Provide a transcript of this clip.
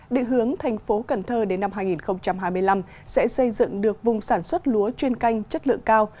địa hướng thành phố cần thơ đến năm hai nghìn hai mươi năm sẽ xây dựng được vùng sản xuất lúa chuyên canh chất lượng cao